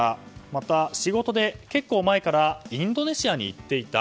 また、仕事で結構前からインドネシアに行っていた。